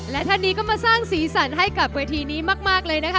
และท่านนี้ก็มาสร้างสีสันให้กับเวทีนี้มากเลยนะคะ